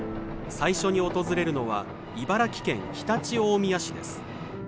最初に訪れるのは茨城県常陸大宮市です。